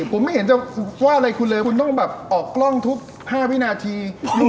ผมไม่เห็นจะว่าอะไรคุณเลยคุณต้องแบบออกกล้องทุก๕วินาที